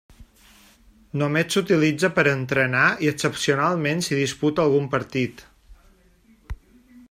Només s'utilitza per a entrenar i excepcionalment s'hi disputa algun partit.